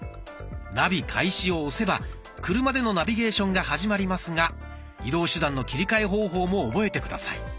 「ナビ開始」を押せば車でのナビゲーションが始まりますが移動手段の切り替え方法も覚えて下さい。